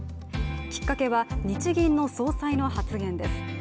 きっかけは日銀の総裁の発言です。